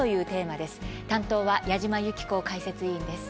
担当は矢島ゆき子解説委員です。